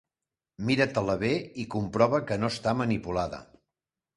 Mira-te-la bé i comprova que no està manipulada.